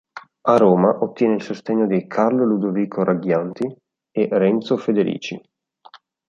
A Roma ottiene il sostegno di Carlo Ludovico Ragghianti e Renzo Federici.